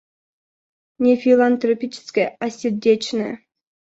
Не филантропическое, а сердечное.